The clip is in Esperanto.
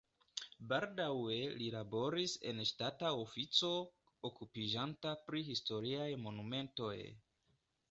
Baldaŭe li laboris en ŝtata ofico okupiĝanta pri historiaj monumentoj.